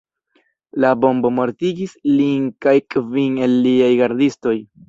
La bombo mortigis lin kaj kvin el liaj gardistoj.